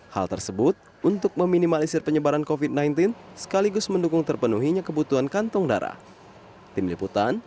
hal tersebut untuk meminimalisir penyebaran covid sembilan belas sekaligus mendukung terpenuhinya kebutuhan kantong darah